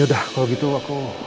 yaudah kalau gitu aku